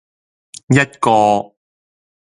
一個